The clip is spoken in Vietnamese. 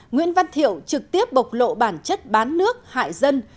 nguyễn văn thiệu trực tiếp bộc lộ bản chất bán nước hại dân